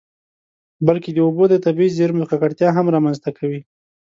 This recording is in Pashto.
بلکې د اوبو د طبیعي زیرمو ککړتیا هم رامنځته کوي.